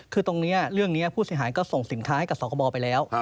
คือตรงนี้เรื่องนี้ผู้เสียหายก็ส่งสินค้าให้กับสคบไปแล้ว